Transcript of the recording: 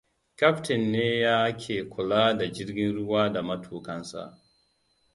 Kyaftin ne yake kula da jirgin ruwa da matukansa.